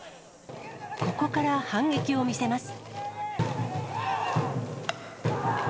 ここから反撃を見せます。